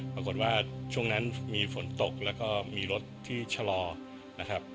ปรากฏว่าช่วงนั้นมีฝนตกแล้วก็มีรถที่ชะลอนะครับ